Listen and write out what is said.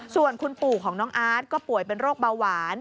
ส่วนคุณปู่ของน้องอาร์ตก็ป่วยเป็นโรคเบาหวาน